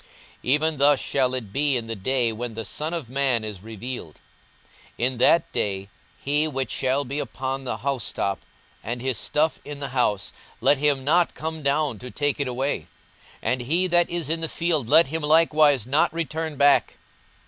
42:017:030 Even thus shall it be in the day when the Son of man is revealed. 42:017:031 In that day, he which shall be upon the housetop, and his stuff in the house, let him not come down to take it away: and he that is in the field, let him likewise not return back.